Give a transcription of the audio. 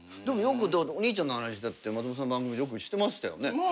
でもよくお兄ちゃんの話松本さんの番組でしてましたよね。